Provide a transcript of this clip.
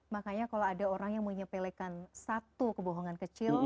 makanya kalau ada orang yang menyepelekan satu kebohongan kecil